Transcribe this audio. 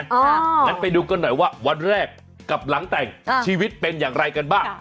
งั้นไปดูกันหน่อยว่าวันแรกกับหลังแต่งชีวิตเป็นอย่างไรกันบ้าง